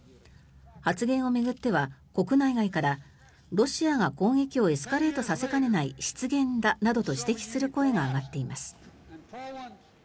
発言を巡っては国内外からロシアが攻撃をエスカレートさせかねない失言だなどと指摘する声が上がっています。